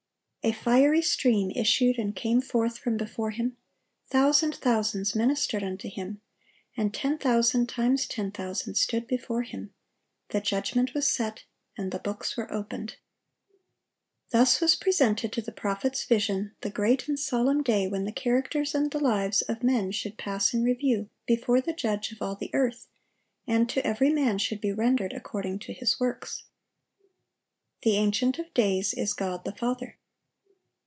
A fiery stream issued and came forth from before Him: thousand thousands ministered unto Him, and ten thousand times ten thousand stood before Him: the judgment was set, and the books were opened."(835) Thus was presented to the prophet's vision the great and solemn day when the characters and the lives of men should pass in review before the Judge of all the earth, and to every man should be rendered "according to his works." The Ancient of days is God the Father.